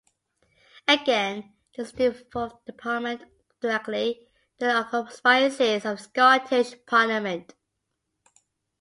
Again, this is a devolved department, directly under the auspices of the Scottish Parliament.